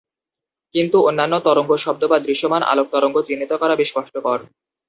কিন্তু অন্যান্য তরঙ্গ শব্দ বা দৃশ্যমান আলোক তরঙ্গ চিহ্নিত করা বেশ কষ্টকর।